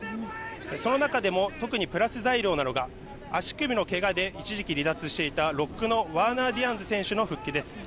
その中でも特にプラス材料なのが、足首のけがで一時期離脱していたロックのワーナー・ディアンズ選手の復帰です。